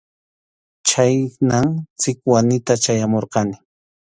Chhaynam Sikwanita chayamurqani.